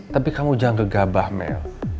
tapi kamu jangan gegabah mel